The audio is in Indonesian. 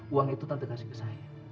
uang itu nanti kasih ke saya